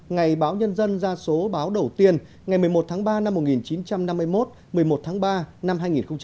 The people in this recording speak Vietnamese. ngày báo nhân dân ra số báo đầu tiên ngày một mươi một tháng ba năm một nghìn chín trăm năm mươi một một mươi một tháng ba năm hai nghìn hai mươi